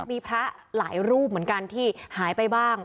มีพระหลายรูปเหมือนกันที่หายไปบ้าง